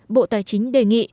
bộ tài chính đề nghị